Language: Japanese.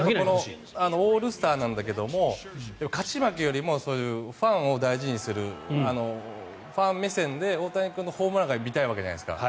オールスターなんだけど勝ち負けよりもそういうファンを大事にするファン目線で大谷君のホームランが見たいわけじゃないですか。